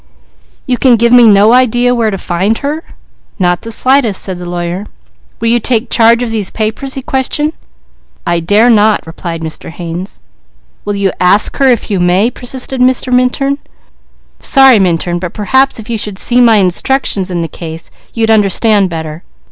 "You could give me no idea where to find her?" "Not the slightest!" said the lawyer. "Will you take charge of these papers?" he questioned. "I dare not," replied Mr. Haynes. "Will you ask her if you may?" persisted Mr. Minturn. "Sorry Minturn, but perhaps if you should see my instructions in the case, you'd understand better.